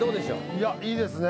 いやいいですね。